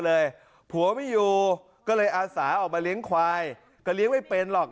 ผัวไม่อยู่ก็เลยอาสาออกมาเลี้ยงควายก็เลี้ยงไม่เป็นหรอก